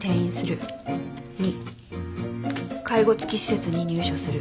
２介護付き施設に入所する。